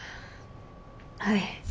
はい。